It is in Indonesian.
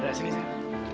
dada sini sini